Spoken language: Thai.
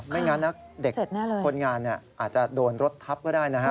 ไม่งั้นนะเด็กคนงานอาจจะโดนรถทับก็ได้นะฮะ